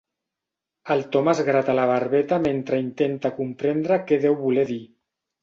El Tom es grata la barbeta mentre intenta comprendre què deu voler dir.